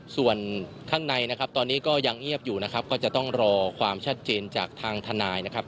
ส่วนข้างในนะครับตอนนี้ก็ยังเงียบอยู่นะครับก็จะต้องรอความชัดเจนจากทางทนายนะครับ